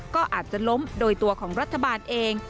ก็อาจจะล้มโดยตัวของรัฐบาลเอง